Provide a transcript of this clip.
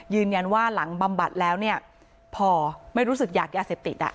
ยืนยันว่าหลังบำบัดแล้วพอไม่รู้สึกอยากยาเสพติด